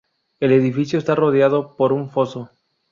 El edificio está rodeado por un foso.